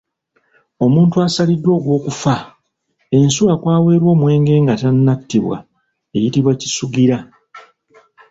Omuntu asaliddwa ogw’okufa, ensuwa kwaweerwa omwenge nga tannattibwa eyitibwa Kisugira.